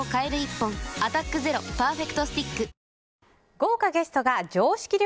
豪華ゲストが常識力